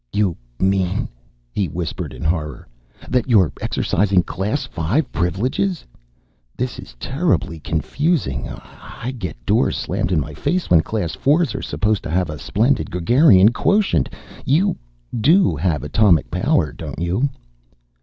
"You mean," he whispered in horror, "that you're exercising Class V privileges? This is terribly confusing. I get doors slammed in my face, when Class Fours are supposed to have a splendid gregarian quotient you do have atomic power, don't you?"